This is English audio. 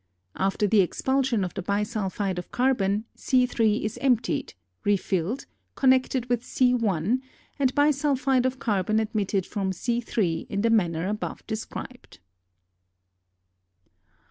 After the expulsion of the bisulphide of carbon, C^3 is emptied, refilled, connected with C^1, and bisulphide of carbon admitted from C^3 in the manner above described.